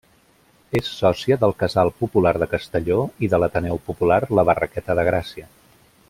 És sòcia del Casal Popular de Castelló i de l'Ateneu Popular La Barraqueta de Gràcia.